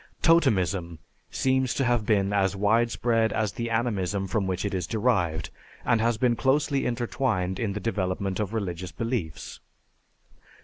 Totemism seems to have been as widespread as the animism from which it is derived, and has been closely intertwined in the development of religious beliefs.